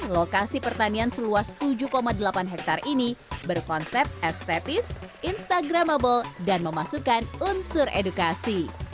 lokasi pertanian seluas tujuh delapan hektare ini berkonsep estetis instagramable dan memasukkan unsur edukasi